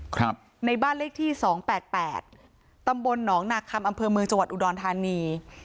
ครับในบ้านเลขที่สองแปดแปดตำบลหนองนาคมอำเภอเมืองจังหวัดอุดรธานี